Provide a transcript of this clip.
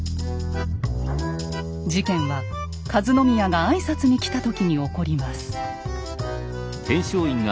事件は和宮が挨拶に来た時に起こります。